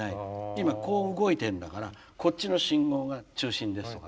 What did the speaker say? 今こう動いてんだからこっちの信号が中心ですとか。